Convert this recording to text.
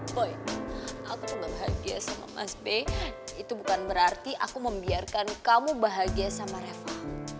aku belum bahagia sama mas b itu bukan berarti aku membiarkan kamu bahagia sama reva